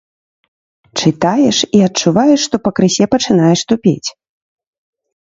Чытаеш і адчуваеш, што пакрысе пачынаеш тупець.